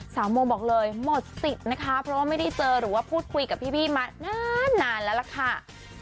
สาวโมบอกเลยหมดติดนะคะเพราะว่าไม่ได้เจอหรือพูดคุยกับพี่มานานแล้วละค้า